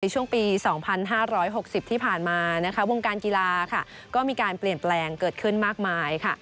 ช่วงปี๒๕๖๐ที่ผ่านมานะคะวงการกีฬาก็มีการเปลี่ยนแปลงเกิดขึ้นมากมายค่ะ